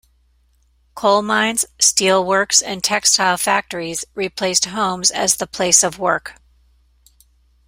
Coal mines, steelworks, and textile factories replaced homes as the place of work.